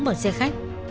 mở xe khách